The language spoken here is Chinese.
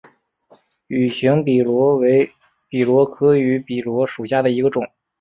芋形笔螺为笔螺科芋笔螺属下的一个种。